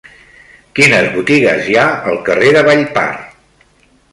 Quines botigues hi ha al carrer de Vallpar?